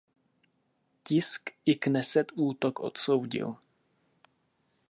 Tisk i kneset útok odsoudil.